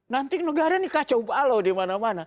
nanti negara ini kacau balau di mana mana